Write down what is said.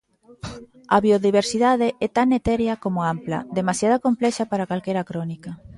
A biodiversidade é tan etérea como ampla, demasiada complexa para calquera crónica.